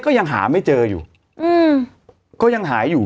ก็ยังหาไม่เจออยู่อืมก็ยังหายอยู่